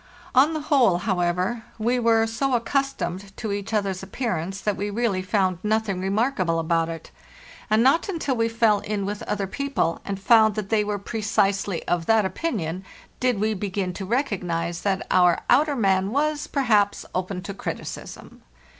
On the whole, however, we were so accustomed to each other's appearance that we really found nothing remarkable about it; and not until we fell in with other people and found that they were precisely 404 FARTHEST NORTH of that opinion did we begin to recognize that our outer man was, perhaps, open to criticism.